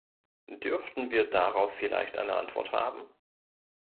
Dürften wir darauf vielleicht eine Antwort haben?